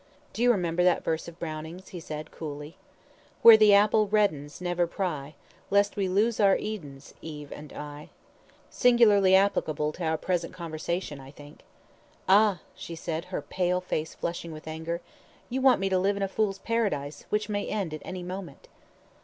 "Do you remember that verse of Browning's," he said, coolly 'Where the apple reddens Never pry, Lest we lose our Edens, Eve and I.' "Singularly applicable to our present conversation, I think." "Ah," she said, her pale face flushing with anger, "you want me to live in a fool's paradise, which may end at any moment."